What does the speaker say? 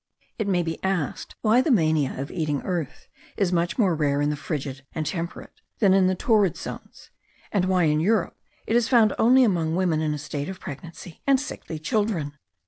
It may be asked, why the mania of eating earth is much more rare in the frigid and temperate than in the torrid zones; and why in Europe it is found only among women in a state of pregnancy, and sickly children.